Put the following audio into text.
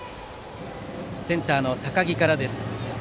センターの高木からです。